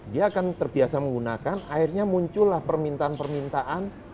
dia akan terbiasa menggunakan akhirnya muncullah permintaan permintaan